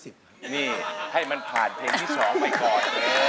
นี่ให้มันผ่านเพลงที่๒ไปก่อน